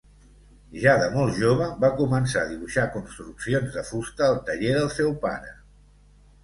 Ja de molt jove va començar dibuixar construccions de fusta al taller del seu pare.